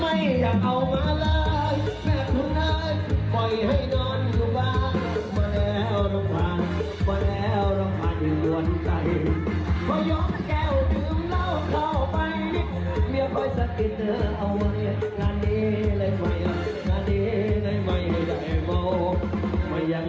ไม่อยากมาก